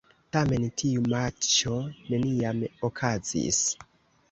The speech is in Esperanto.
Tamen tiu matĉo neniam okazis.